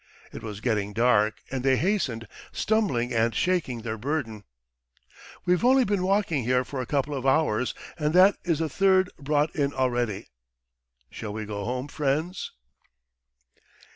It was getting dark and they hastened, stumbling and shaking their burden. ... "We've only been walking here for a couple of hours and that is the third brought in already. ... Shall we go home, friends?"